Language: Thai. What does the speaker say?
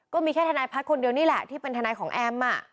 ก็มีแค่ทนายพัฒน์คนเดียวนี่แหละที่เป็นทนายของแอม